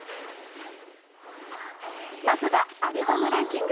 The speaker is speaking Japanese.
まずはアルバムランキング。